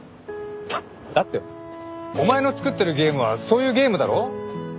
だってお前の作ってるゲームはそういうゲームだろ。